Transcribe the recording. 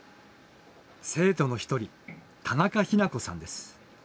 生徒の一人田中陽南子さんです。